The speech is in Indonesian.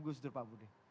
gus dur pak budi